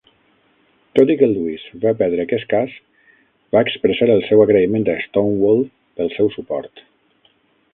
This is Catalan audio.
Tot i que Lewis va perdre aquest cas, va expressar el seu agraïment a Stonewall pel seu suport.